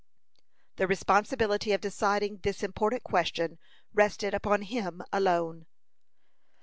The responsibility of deciding this important question rested upon him alone.